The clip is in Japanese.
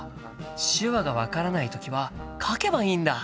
手話が分からない時は書けばいいんだ！